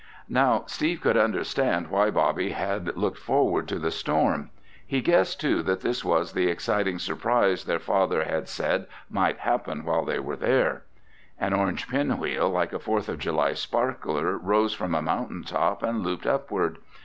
Now Steve could understand why Bobby had looked forward to the storm. He guessed, too, that this was the exciting surprise their father had said might happen while they were here. An orange pinwheel, like a Fourth of July sparkler, rose from a mountain top and looped upward.